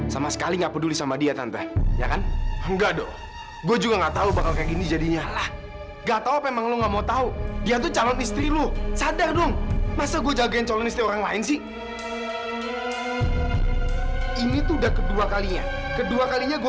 sampai jumpa di video selanjutnya